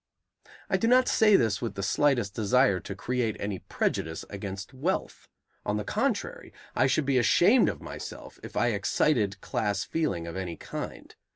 I do not say this with the slightest desire to create any prejudice against wealth; on the contrary, I should be ashamed of myself if I excited class feeling of any kind.